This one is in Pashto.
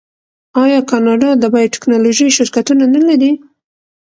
آیا کاناډا د بایو ټیکنالوژۍ شرکتونه نلري؟